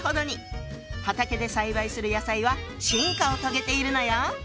畑で栽培する野菜は進化を遂げているのよ！